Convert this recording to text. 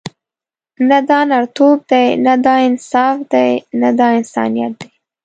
نه دا نرتوب دی، نه دا انصاف دی، نه انسانیت دی.